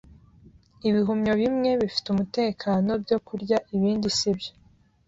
Ibihumyo bimwe bifite umutekano byo kurya, ibindi sibyo.